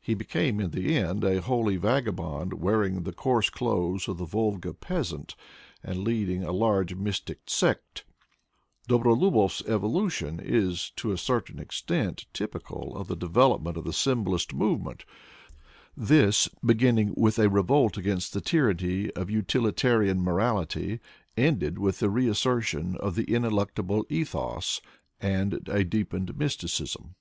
He be came in the end a holy vagabond, wearing the coarse clothes of the Volga peasant, and leading a large mystic sect. Dobrolubov's evolution is to a certain extent typi cal of the development of the symbolist movement. This, beginning with a revolt against the tyranny of utilitarian morality, ended with the reassertion of the ineluctable ethos and a deepened mysticism.